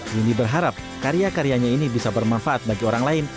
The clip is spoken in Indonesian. windy berharap karya karyanya ini bisa bermanfaat bagi orang lain